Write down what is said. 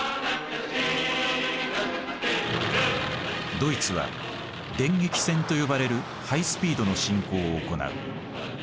ドイツは電撃戦と呼ばれるハイスピードの侵攻を行う。